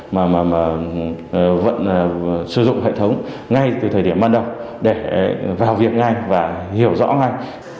mà vẫn sử dụng hệ thống ngay từ thời điểm ban đầu để vào việc ngay và hiểu rõ ngay